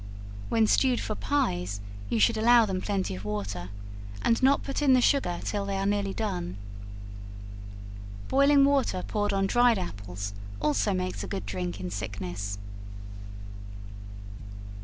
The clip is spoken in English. When stewed for pies you should allow them plenty of water, and not put in the sugar till they are nearly done. Boiling water poured on dried apples also makes a good drink in sickness.